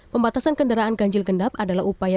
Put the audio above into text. pembatasan kendaraan ganjil genap adalah upaya